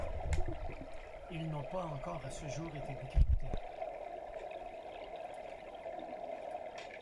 Ils n'ont pas encore à ce jour été décryptés.